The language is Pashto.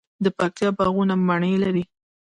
د پکتیا باغونه مڼې لري.